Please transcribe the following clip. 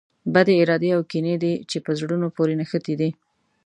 بدې ارادې او کینې دي چې په زړونو پورې نښتي دي.